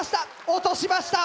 落としました！